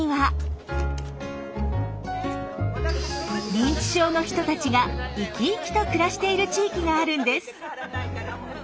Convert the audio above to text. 認知症の人たちがイキイキと暮らしている地域があるんです。